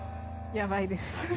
やばいです。